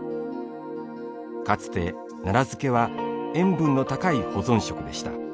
かつて奈良漬は塩分の高い保存食でした。